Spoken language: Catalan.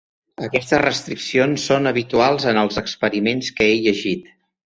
Aquestes restriccions són habituals en els experiments que he llegit.